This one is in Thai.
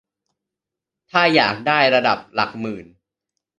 ถ้าอยากได้ระดับหลักหมื่น